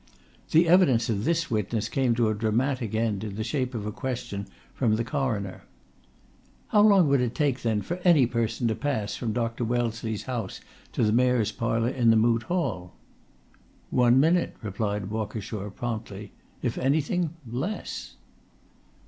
The evidence of this witness came to a dramatic end in the shape of a question from the Coroner: "How long would it take, then, for any person to pass from Dr. Wellesley's house to the Mayor's Parlour in the Moot Hall?" "One minute," replied Walkershaw promptly. "If anything less."